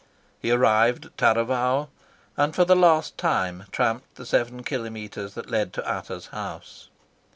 He arrived at Taravao, and for the last time tramped the seven kilometres that led to Ata's house.